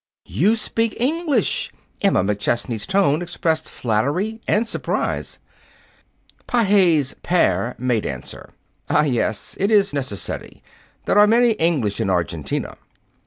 "You speak English!" Emma McChesney's tone expressed flattery and surprise. Pages pere made answer. "Ah, yes, it is necessary. There are many English in Argentina."